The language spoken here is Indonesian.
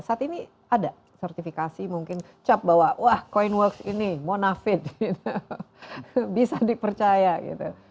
saat ini ada sertifikasi mungkin cap bahwa wah coinworks ini monavid gitu bisa dipercaya gitu